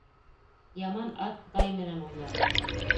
Яман ат тай менән уйнар